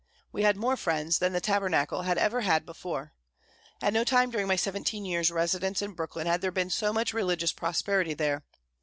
We had more friends than the Tabernacle had ever had before. At no time during my seventeen years' residence in Brooklyn had there been so much religious prosperity there.